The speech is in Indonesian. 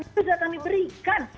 itu sudah kami berikan